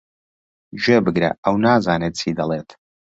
گوێبگرە، ئەو نازانێت چی دەڵێت.